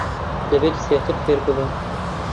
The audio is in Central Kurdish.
دەبێت زیاتر فێر ببن.